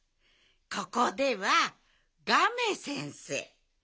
ここでは「ガメ先生」でしょ？